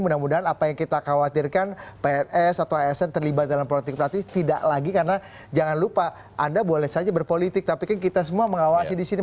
mudah mudahan apa yang kita khawatirkan pns atau asn terlibat dalam politik praktis tidak lagi karena jangan lupa anda boleh saja berpolitik tapi kan kita semua mengawasi di sini